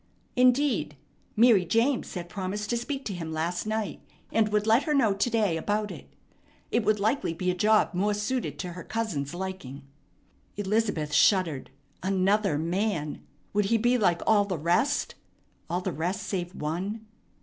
Indeed, Mary James had promised to speak to him last night, and would let her know to day about it. It would likely be a job more suited to her cousin's liking. Elizabeth shuddered. Another man! Would he be like all the rest? all the rest save one!